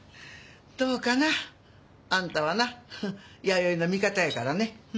どうかな？あんたはな弥生の味方やからね。